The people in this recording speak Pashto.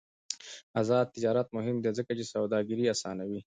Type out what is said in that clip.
آزاد تجارت مهم دی ځکه چې سوداګري اسانوي.